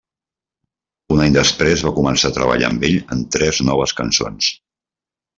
Un any després va començar a treballar amb ell en tres noves cançons.